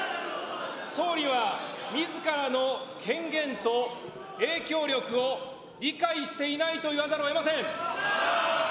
総理は、みずからの権限と影響力を理解していないと言わざるをえません。